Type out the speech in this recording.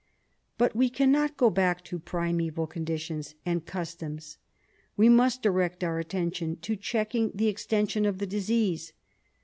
But we cannot go back to primeval conditions and cus toms, and we must direct our attention to checking the extension of the disease.